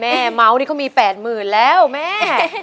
แม่เมาท์นี่ก็มี๘หมื่นแล้วแม่